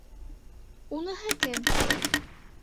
Уныһы кем?